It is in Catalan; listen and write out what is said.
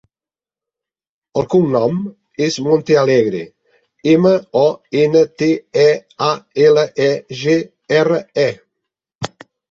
El cognom és Montealegre: ema, o, ena, te, e, a, ela, e, ge, erra, e.